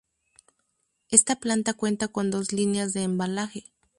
Esta planta cuenta con dos líneas de embalaje.